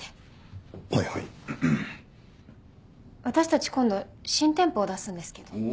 私たち今度新店舗を出すんですけど。